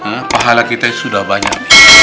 hah pahala kita sudah banyak mih